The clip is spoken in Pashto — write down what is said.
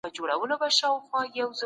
د جهاد لاره د نېکو خلکو لاره ده.